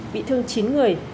bị thương chín người